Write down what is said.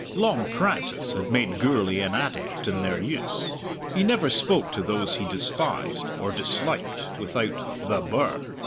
Long practice had made Gourlay an adept in their use. He never spoke to those he despised or disliked without "the birr."